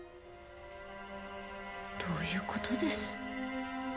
どういうことです？